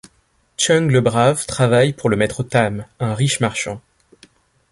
Cheung Le Brave travaille pour le maître Tam, un riche marchand.